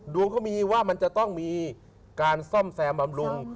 ดวงเขามีว่ามันจะต้องมีการซ่อมแซมบำรุง